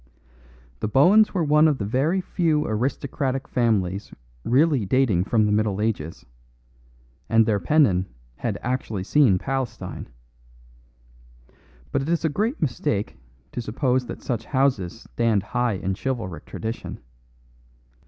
The Bohuns were one of the very few aristocratic families really dating from the Middle Ages, and their pennon had actually seen Palestine. But it is a great mistake to suppose that such houses stand high in chivalric tradition.